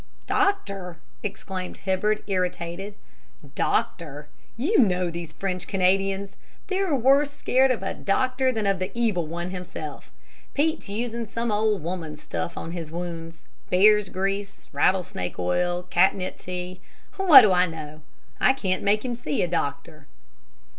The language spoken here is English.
"Doctor!" exclaimed Hibbard, irritated. "Doctor! You know these French Canadians. They're worse scared of a doctor than of the evil one himself. Pete's usin' some old woman's stuff on his wounds, bear's grease, rattlesnake oil, catnip tea, what do I know? I can't make him see a doctor."